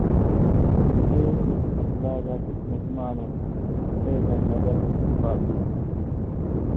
އޭރުވެސް ހަފްލާގައި ތިބި މެހެމާނުން ސްޓޭޖަށް ނަޒަރު ހުއްޓިފައި ތިވި